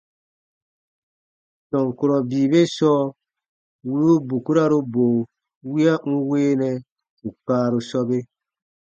Tɔn kurɔ bii be sɔɔ wì u bukuraru bo wiya n weenɛ ù kaaru sɔbe.